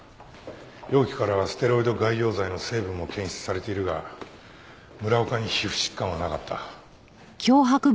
容器からはステロイド外用剤の成分も検出されているが村岡に皮膚疾患はなかった。